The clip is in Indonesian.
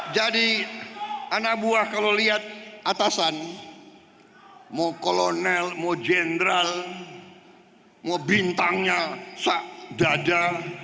jadi anak buah kalau lihat atasan mau kolonel mau jendral mau bintangnya sak dada